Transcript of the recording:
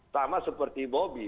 sama seperti bobi